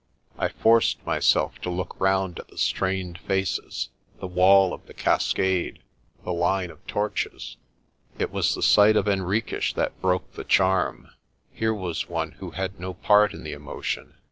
I forced myself to look round at the strained faces, the wall of the cascade, the line of torches. It was the sight of Henriques that broke the charm. Here was one who had no part in the emotion.